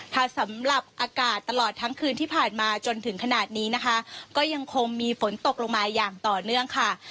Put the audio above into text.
สำหรับอากาศตลอดทั้งคืนที่ผ่านมาจนถึงขนาดนี้นะคะก็ยังคงมีฝนตกลงมาอย่างต่อเนื่องค่ะ